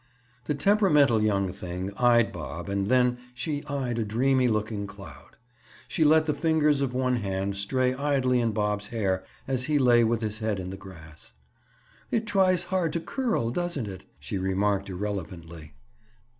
The temperamental young thing eyed Bob and then she eyed a dreamy looking cloud. She let the fingers of one hand stray idly in Bob's hair as he lay with his head in the grass. "It tries hard to curl, doesn't it?" she remarked irrelevantly.